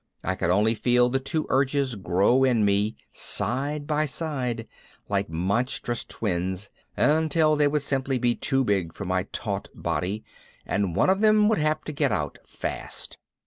I could only feel the two urges grow in me, side by side, like monstrous twins, until they would simply be too big for my taut body and one of them would have to get out fast.